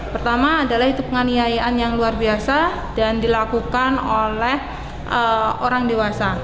pertama adalah itu penganiayaan yang luar biasa dan dilakukan oleh orang dewasa